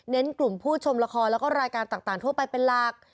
กลุ่มผู้ชมละครแล้วก็รายการต่างทั่วไปเป็นหลัก